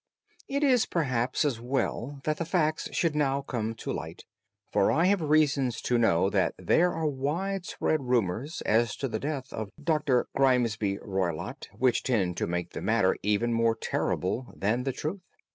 It is perhaps as well that the facts should now come to light, for I have reasons to know that there are widespread rumours as to the death of Dr. Grimesby Roylott which tend to make the matter even more terrible than the truth.